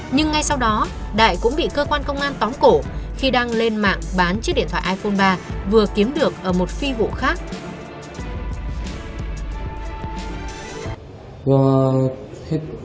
nhưng ngay sau đó đại cũng bị cơ quan công an tóm cổ khi đang lên mạng bán chiếc điện thoại iphone ba vừa kiếm được ở một phi vụ khác